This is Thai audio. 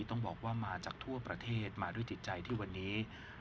ต้องบอกว่ามาจากทั่วประเทศมาด้วยจิตใจที่วันนี้